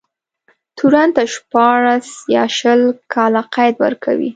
تورن ته شپاړس يا شل کاله قید ورکوي.